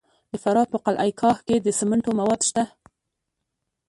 د فراه په قلعه کاه کې د سمنټو مواد شته.